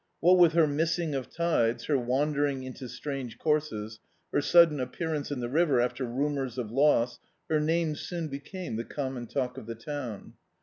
What with her missing of tides, her wander* ing into strange courses, her sudden appearance in the river after rumours of loss, her name soon be came the common talk of the town.